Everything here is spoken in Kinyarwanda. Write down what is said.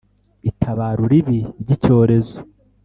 itabaro ribi ry'icyorezo